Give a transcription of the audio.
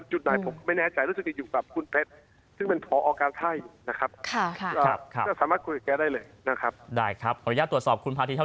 จุดนายผมก็ไม่แน่ใจแล้วซึ่งยังอยู่กับคุณเพชร